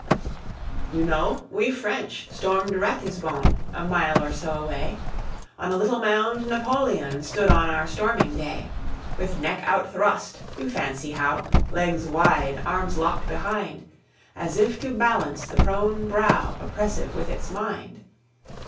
You know, we French storm'd Ratisbon: A mile or so away On a little mound, Napoleon Stood on our storming day; With neck out thrust, you fancy how, Legs wide, arms lock'd behind, As if to balance the prone brow Oppressive with its mind.